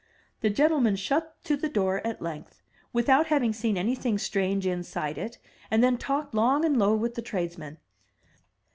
The gentleman shut to the door at length, without having seen anything strange inside it; and then talked long and low with the tradesmen.